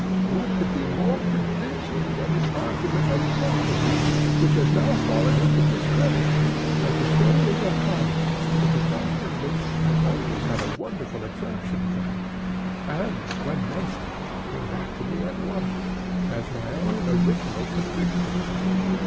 For what could be more convincing than the argument of Socrates, which has now fallen into discredit? That the soul is a harmony is a doctrine which has always had a wonderful attraction for me, and, when mentioned, came back to me at once, as my own original conviction.